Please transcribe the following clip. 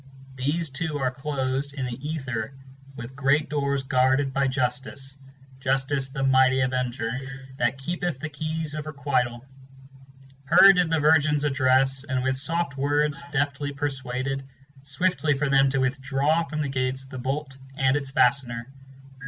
These too are closed in the ether with great doors guarded by Justice 6 ŌĆö Justice the mighty avenger, that keepeth the keys of requital. Her did the virgins address, and with soft words deftly persuaded, Swiftly for them to withdraw from the gates the bolt and its fastener.